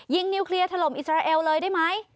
นิวเคลียร์ถล่มอิสราเอลเลยได้ไหม